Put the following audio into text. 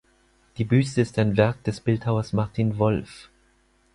Die Büste ist ein Werk des Bildhauers Martin Wolff.